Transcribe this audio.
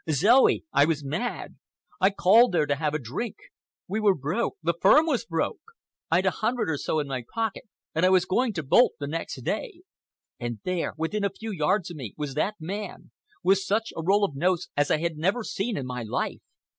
"Zoe, I was mad! I called there to have a drink. We were broke,—the firm was broke. I'd a hundred or so in my pocket and I was going to bolt the next day. And there, within a few yards of me, was that man, with such a roll of notes as I had never seen in my life.